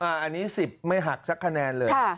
อันนี้๑๐ไม่หักสักคะแนนเลย